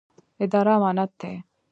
اداره امانت دی